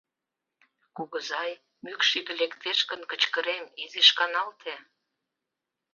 Кугызай, мӱкш иге лектеш гын, кычкырем, изиш каналте.